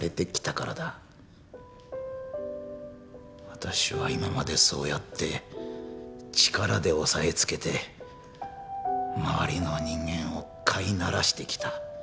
私は今までそうやって力で押さえつけて周りの人間を飼いならしてきた。